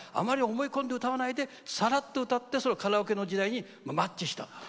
あまり、思い込んで歌わないでさらっと歌ってカラオケの時代にマッチした。